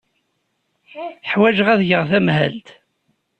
Ḥwajeɣ ad geɣ tamhelt.